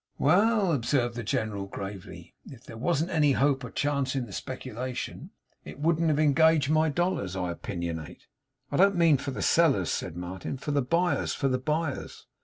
'Well,' observed the General, gravely, 'if there wasn't any hope or chance in the speculation, it wouldn't have engaged my dollars, I opinionate.' 'I don't mean for the sellers,' said Martin. 'For the buyers for the buyers!